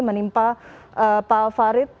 menimpa pak farid